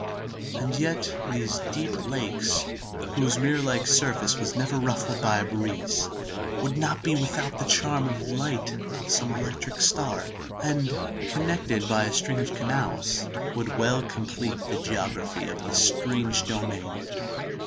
And yet these deep lakes, whose mirror like surface was never ruffled by a breeze, would not be without charm by the light of some electric star, and, connected by a string of canals, would well complete the geography of this strange domain.